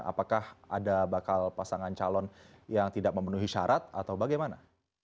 apakah ada bakal pasangan calon yang tidak memenuhi syarat atau bagaimana